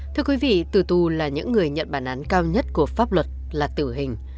thưa quý vị từ tù là những người nhận bản án cao nhất của pháp luật là tử hình